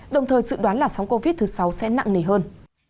đồng thời dự đoán là sóng covid thứ sáu sẽ nặng nề hơn